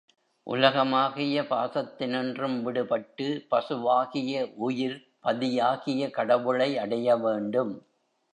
உலகமாகிய பாசத்தினின்றும் விடுபட்டு, பசுவாகிய உயிர், பதியாகிய கடவுளை அடைய வேண்டும்.